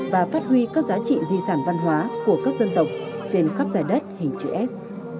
và phát huy các giá trị di sản văn hóa của các dân tộc trên khắp giải đất hình chữ s